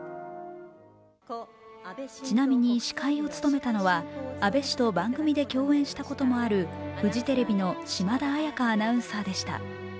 ちなみに司会を務めたのは安倍氏と番組で共演したこともあるフジテレビの島田彩夏アナウンサーでした。